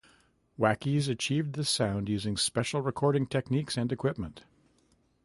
Wackies achieved this sound using special recording techniques and equipment.